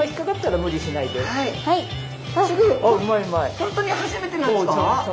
本当に初めてなんですか？